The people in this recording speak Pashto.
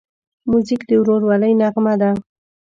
موزیک د ورورولۍ نغمه ده.